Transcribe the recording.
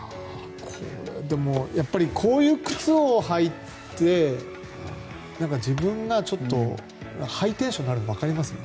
でもやっぱりこういう靴を履いて自分がちょっとハイテンションになるのが分かります。